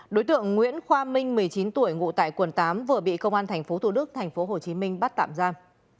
đối tượng nguyễn khoa minh một mươi chín tuổi ngụ tại quần tám vừa bị công an thành phố thủ đức thành phố hồ chí minh bắt tạm giam